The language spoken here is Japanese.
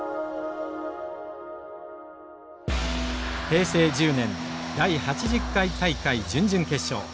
平成１０年第８０回大会準々決勝。